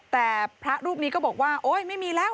แต่พระรูปนี้ก็บอกว่าโอ๊ยไม่มีแล้ว